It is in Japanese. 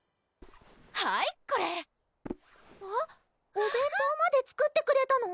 お弁当まで作ってくれたの？